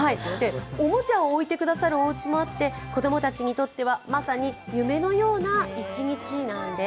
おもちゃを置いてくださるおうちも多くて子供たちにとってはまさに夢のような一日なんです。